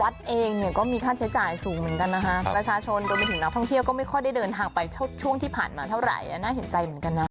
เองเนี่ยก็มีค่าใช้จ่ายสูงเหมือนกันนะคะประชาชนรวมไปถึงนักท่องเที่ยวก็ไม่ค่อยได้เดินทางไปช่วงที่ผ่านมาเท่าไหร่น่าเห็นใจเหมือนกันนะ